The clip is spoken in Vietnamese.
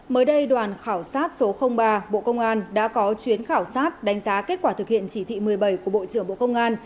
mới đây đoàn khảo sát số ba bộ công an đã có chuyến khảo sát đánh giá kết quả thực hiện chỉ thị một mươi bảy của bộ trưởng bộ công an